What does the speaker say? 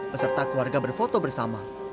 beserta keluarga berfoto bersama